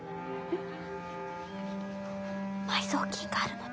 うん。